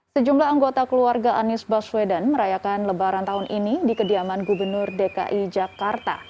sejumlah anggota keluarga anies baswedan merayakan lebaran tahun ini di kediaman gubernur dki jakarta